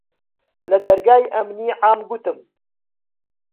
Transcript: لە دەرگای ئەمنی عام گوتم: